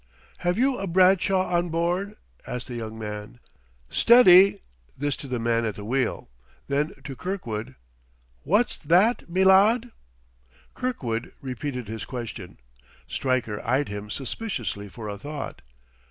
"Have you a Bradshaw on board?" asked the young man. "Steady!" This to the man at the wheel; then to Kirkwood: "Wot's that, me lud?" Kirkwood repeated his question. Stryker eyed him suspiciously for a thought.